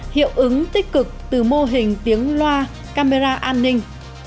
hiệu ứng tích cực từ mô hình tiếng loa camera an ninh